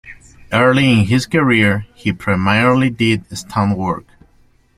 Early in his career, he primarily did stunt work.